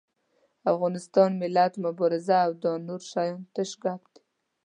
افغانستان، ملت، مبارزه او دا نور شيان تش ګپ دي.